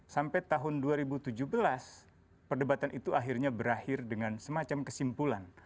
sampai tahun dua ribu tujuh belas perdebatan itu akhirnya berakhir dengan semacam kesimpulan